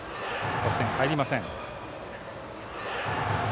得点入りません。